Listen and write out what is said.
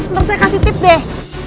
ntar saya kasih tips deh